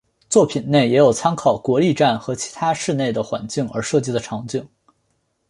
作品内也有参考国立站和其他市内的环境而设计的场景。